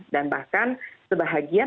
dan bahkan sebahagian